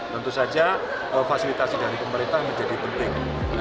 tentu saja fasilitasi dari pemerintah menjadi penting